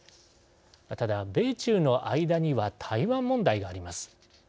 ただ、米中の間には台湾問題があります。